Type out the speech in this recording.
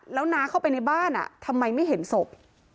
แล้วน้าเข้าไปในบ้านทำไมไม่เห็นศพ